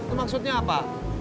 ya itu maksudnya apa